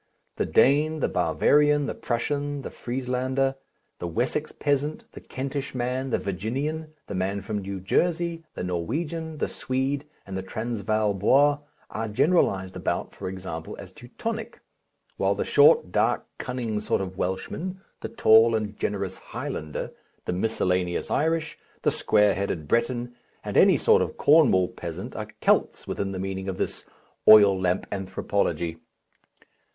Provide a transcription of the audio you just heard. The Dane, the Bavarian, the Prussian, the Frieslander, the Wessex peasant, the Kentish man, the Virginian, the man from New Jersey, the Norwegian, the Swede, and the Transvaal Boer, are generalized about, for example, as Teutonic, while the short, dark, cunning sort of Welshman, the tall and generous Highlander, the miscellaneous Irish, the square headed Breton, and any sort of Cornwall peasant are Kelts within the meaning of this oil lamp anthropology.